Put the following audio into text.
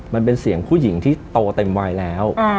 มันเป็นเสียงผู้หญิงที่โตเต็มวัยแล้ว